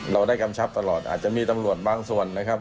เราได้กำชับตลอดอาจจะมีตำรวจบางส่วนนะครับ